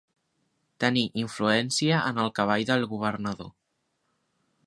Tenir influència en el cavall del governador.